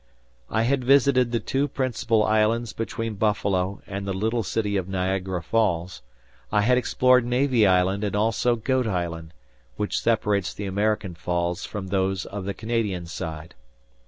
I had visited the two principal islands between Buffalo and the little city of Niagara Falls, I had explored Navy Island and also Goat Island, which separates the American falls from those of the Canadian side.